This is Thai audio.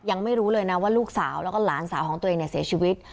ยังไม่รู้เลยนะว่าลูกสาวแล้วก็หลานสาวของตัวเองเนี่ยเสียชีวิต